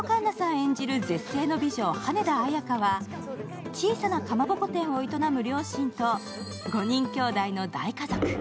演じる絶世の美女、羽田綾華は小さなかまぼこ店を営む両親と５人兄弟の大家族。